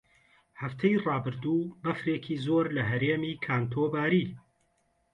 هەفتەی ڕابردوو بەفرێکی زۆر لە هەرێمی کانتۆ باری.